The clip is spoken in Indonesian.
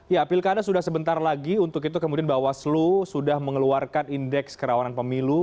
ya pilkada sudah sebentar lagi untuk itu kemudian bawaslu sudah mengeluarkan indeks kerawanan pemilu